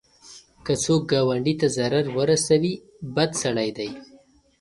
که څوک ګاونډي ته ضرر ورسوي، بد سړی دی